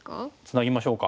ツナぎましょうか。